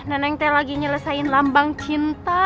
neneng teh lagi nyelesain lambang cinta